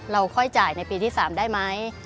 ค่อยจ่ายในปีที่๓ได้ไหม